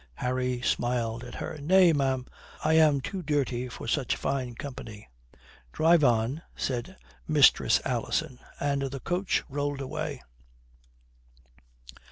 Harry smiled at her. "Nay, ma'am. I am too dirty for such fine company." "Drive on," said Mistress Alison. And the coach rolled away.